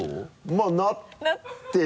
まぁなってる。